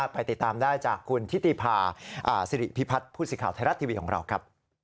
ไปติดตามได้จากคุณทิติภาสิริพิพัฒน์ผู้สื่อข่าวไทยรัฐทีวีของเราครับ